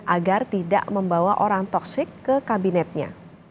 agar tidak membawa orang toxic ke kabinetnya